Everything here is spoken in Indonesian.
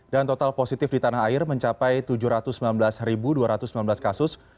dan total positif di tanah air mencapai tujuh ratus sembilan belas dua ratus sembilan belas kasus